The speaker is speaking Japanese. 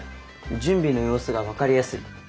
準備の様子が分かりやすい。